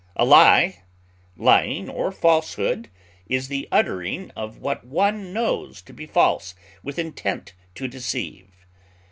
A lie, lying, or falsehood, is the uttering of what one knows to be false with intent to deceive.